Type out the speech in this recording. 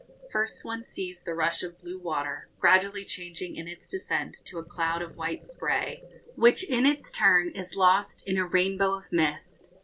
First one sees the rush of blue water, gradually changing in its descent to a cloud of white spray, which in its turn is lost in a rainbow of mist.